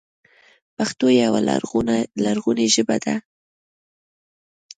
پښتو يوه لرغونې ژبه ده.